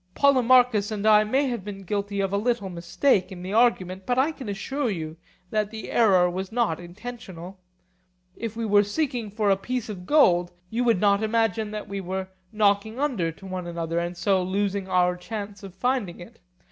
Polemarchus and I may have been guilty of a little mistake in the argument, but I can assure you that the error was not intentional. If we were seeking for a piece of gold, you would not imagine that we were 'knocking under to one another,' and so losing our chance of finding it.